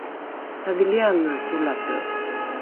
tadhiliange solate